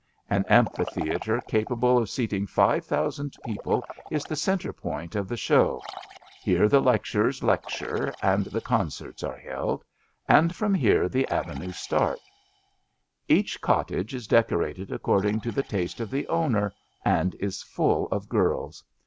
An amphitheatre capable of seating five thousand people is the centre point of the show* Here the lecturers lecture and the con certs are held, and from here the avenues start. 176 ABAFT THE FUNNEL Each cottage is decorated according to the taste of the owner, and is full of girls.